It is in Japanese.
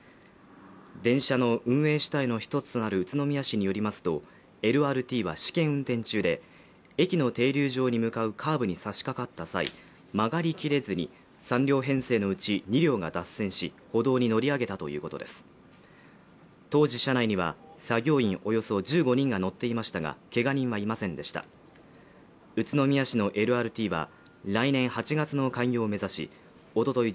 電車の運営主体の一つとなる宇都宮市によりますとＬＲＴは試験運転中で駅の停留所に向かうカーブにさしかかった際曲がりきれずに３両編成のうち２両が脱線し歩道に乗り上げたということです当時車内には作業員およそ１５人が乗っていましたがけが人はいませんでした宇都宮市のＬＲＴは来年８月の開業を目指しおととい